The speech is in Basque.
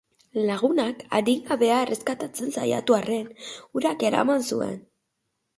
Lagunak adingabea erreskatatzen saiatu arren, urak eraman zuen.